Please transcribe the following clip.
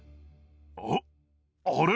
あっあれ？